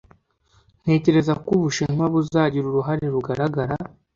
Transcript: Ntekereza ko Ubushinwa buzagira uruhare rugaragara.